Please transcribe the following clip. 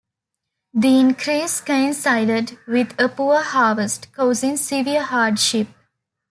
The increase coincided with a poor harvest, causing severe hardship.